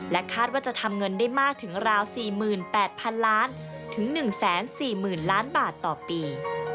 คาดว่าจะทำเงินได้มากถึงราว๔๘๐๐๐ล้านถึง๑๔๐๐๐ล้านบาทต่อปี